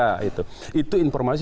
karena kita mendapatkan informasi